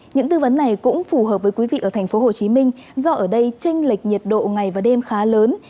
những tư vấn này cũng phù hợp với quý vị ở tp hcm do ở đây tranh lệch nhiệt độ ngày và đêm khá lớn